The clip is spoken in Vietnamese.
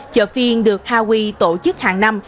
chợ phiên được hà huy tổ chức hàng năm